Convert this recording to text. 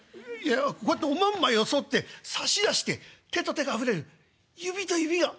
こうやっておまんまよそって差し出して手と手が触れる指と指が」。